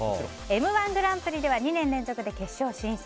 「Ｍ‐１グランプリ」では２年連続決勝進出